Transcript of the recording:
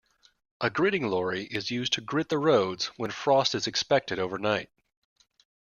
A gritting lorry is used to grit the roads when frost is expected overnight